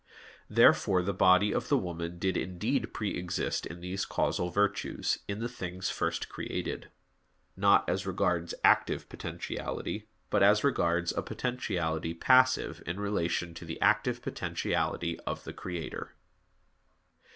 Therefore the body of the woman did indeed pre exist in these causal virtues, in the things first created; not as regards active potentiality, but as regards a potentiality passive in relation to the active potentiality of the Creator.